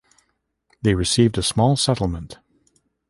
They received a small settlement.